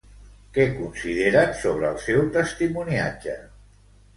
Què consideren sobre el seu testimoniatge?